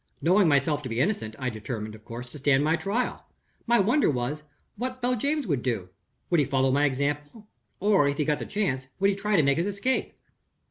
Knowing myself to be innocent, I determined, of course, to stand my trial. My wonder was, what Beljames would do. Would he follow my example? or, if he got the chance, would he try to make his escape?